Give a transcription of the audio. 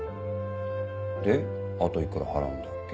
であといくら払うんだっけ？